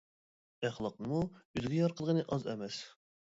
ئەخلاقنىمۇ ئۆزىگە يار قىلغىنى ئاز ئەمەس.